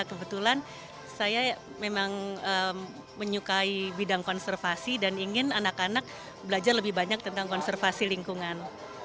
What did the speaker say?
kebetulan saya memang menyukai bidang konservasi dan ingin anak anak belajar lebih banyak tentang konservasi lingkungan